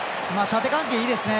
縦関係いいですね